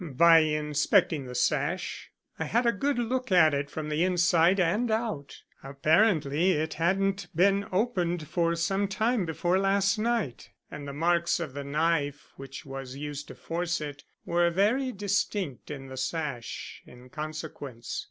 "By inspecting the sash. I had a good look at it from the inside and out. Apparently it hadn't been opened for some time before last night, and the marks of the knife which was used to force it were very distinct in the sash in consequence.